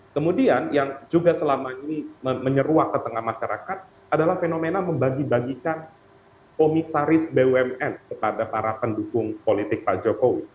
kemudian yang juga selama ini menyeruak ke tengah masyarakat adalah fenomena membagi bagikan komisaris bumn kepada para pendukung politik pak jokowi